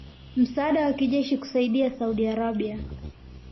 msaada wa kijeshi kuisaidia Saudi Arabia